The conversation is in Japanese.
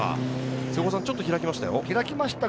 瀬古さん、ちょっと開きましたよ。